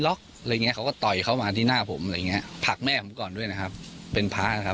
ล๊อคเลยเนี่ยเขาก็ต่อยเข้ามาที่หน้าผมอะไรอย่างนี้ผักแม่ก่อนด้วยนะครับเป็นพระ